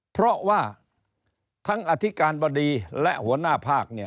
เพราะว่าทั้งอธิการบดีและหัวหน้าภาคเนี่ย